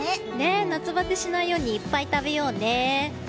夏バテしないようにいっぱい食べようね。